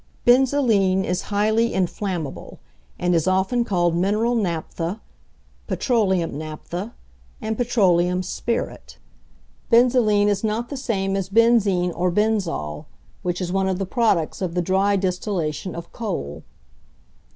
Benzoline is highly inflammable, and is often called mineral naphtha, petroleum naphtha, and petroleum spirit. Benzoline is not the same as benzene or benzol, which is one of the products of the dry distillation of coal.